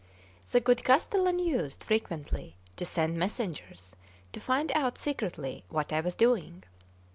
CXX THE GOOD castellan used frequently to send messengers to find out secretly what I was doing.